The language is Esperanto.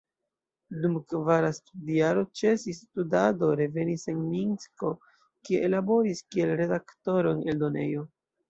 Dum kvara studjaro ĉesis studado, revenis en Minsko, kie laboris kiel redaktoro en eldonejo.